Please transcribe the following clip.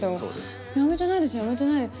辞めてないです辞めてないです。